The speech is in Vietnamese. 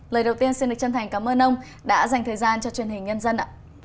lời đầu tiên xin được chân thành cảm ơn ông đã dành thời gian cho truyền hình nhân dân ạ